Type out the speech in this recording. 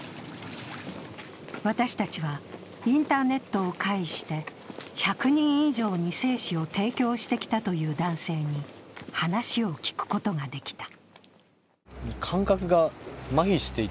私たちはインターネットを介して１００人以上に精子を提供してきたという男性に話を聞くことができた。